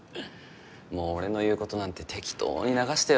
もう俺の言うことなんて適当に流してよ